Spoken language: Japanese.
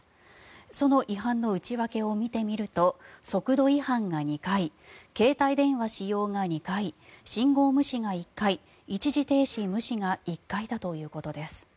その違反の内訳を見てみると速度違反が２回携帯電話使用が２回信号無視が１回一時停止無視が１回だということです。